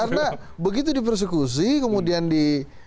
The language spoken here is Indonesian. karena begitu di persekusi kemudian di